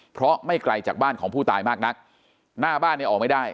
เพราะไม่ไกลจากบ้านของผู้ตายมากนักหน้าบ้านเนี่ยออกไม่ได้